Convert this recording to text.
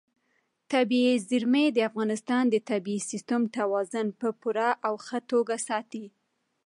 طبیعي زیرمې د افغانستان د طبعي سیسټم توازن په پوره او ښه توګه ساتي.